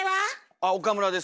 あ岡村です。